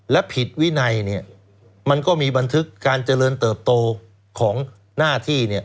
และผิดวินัยเนี่ยมันก็มีบันทึกการเจริญเติบโตของหน้าที่